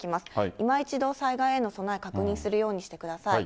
いま一度、災害への備え、確認するようにしてください。